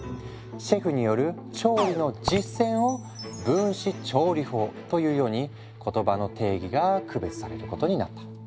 シェフによる調理の実践を「分子調理法」というように言葉の定義が区別されることになった。